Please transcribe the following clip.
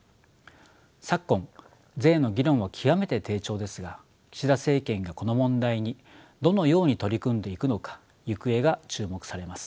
昨今税の議論は極めて低調ですが岸田政権がこの問題にどのように取り組んでいくのか行方が注目されます。